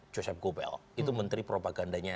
joseph goebel itu menteri propaganda